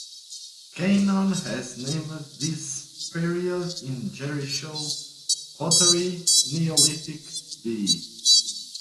Kenyon has named this period in Jericho "Pottery Neolithic B".